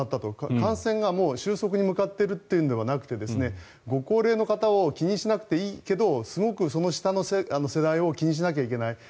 感染がもう収束に向かっているのではなくてご高齢の方を気にしなくていいけどすごく、その下の世代を気にしなきゃいけない。